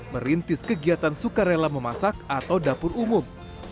merintis kegiatan sukarela memasak atau dapur umum